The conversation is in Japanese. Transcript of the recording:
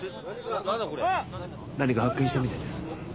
何か発見したみたいです。